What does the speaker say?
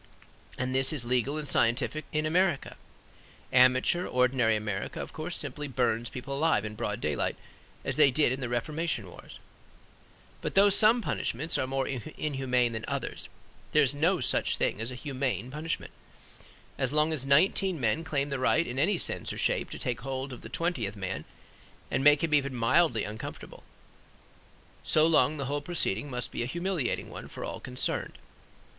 And this is legal and scientific in America. Amateur ordinary America, of course, simply burns people alive in broad daylight, as they did in the Reformation Wars. But though some punishments are more inhuman than others there is no such thing as humane punishment. As long as nineteen men claim the right in any sense or shape to take hold of the twentieth man and make him even mildly uncomfortable, so long the whole proceeding must be a humiliating one for all concerned.